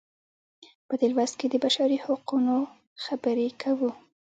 په دې لوست کې د بشري حقونو خبرې کوو.